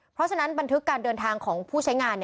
เพราะฉะนั้นบันทึกการเดินทางของผู้ใช้งาน